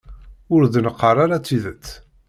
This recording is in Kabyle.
Ur d-neqqar ara tidet.